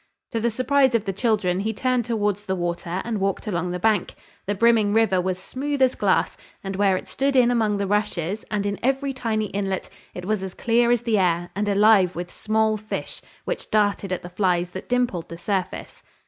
To the surprise of the children, he turned towards the water, and walked along the bank. The brimming river was smooth as glass; and where it stood in among the rushes, and in every tiny inlet, it was as clear as the air, and alive with small fish, which darted at the flies that dimpled the surface.